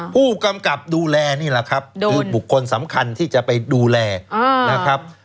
ผู้กำกับดูแลนี่แหละครับคือบุคคลสำคัญที่จะไปดูแลนะครับ